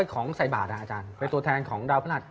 ของใส่บาทอาจารย์เป็นตัวแทนของดาวพฤหัส